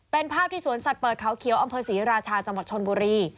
เป็นภาพที่สวนสัตว์เปิดเขาเขียวอำเภอศรีราชาจังหวัดชนบุรี